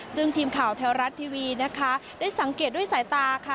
ซึ่งทีมข่าวแท้รัฐทีวีนะคะได้สังเกตด้วยสายตาค่ะ